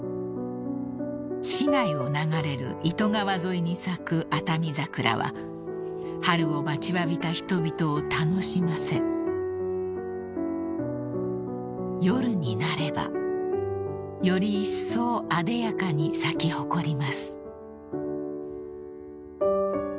［市内を流れる糸川沿いに咲くアタミザクラは春を待ちわびた人々を楽しませ夜になればよりいっそうあでやかに咲き誇ります］